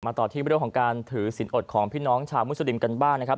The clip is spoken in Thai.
ต่อที่เรื่องของการถือสินอดของพี่น้องชาวมุสลิมกันบ้างนะครับ